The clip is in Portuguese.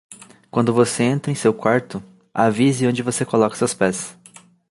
Quando você entra em seu quarto, avise onde você coloca seus pés!